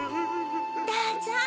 どうぞ。